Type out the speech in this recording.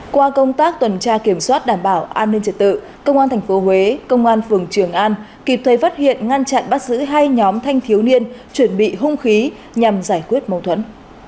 qua công tác tuần tra kiểm soát đảm bảo an ninh trật tự công an tp huế công an phường trường an kịp thời phát hiện ngăn chặn bắt giữ hai nhóm thanh thiếu niên chuẩn bị hung khí nhằm giải quyết mâu thuẫn